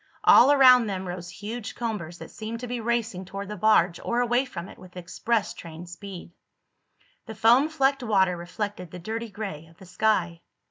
All around them rose huge combers that seemed to be racing toward the barge or away from it with express train speed. The foam flecked water reflected the dirty gray of the sky.